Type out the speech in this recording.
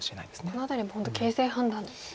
この辺りも本当形勢判断ですよね。